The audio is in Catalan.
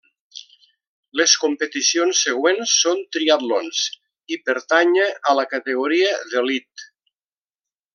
Les competicions següents són triatlons i pertànyer a la categoria d'Elit.